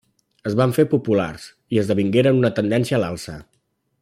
Es van fer populars i esdevingueren una tendència a l'alça.